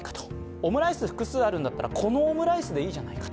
オムライスが複数あるんだったら、このオムライスでいいんじゃないかと。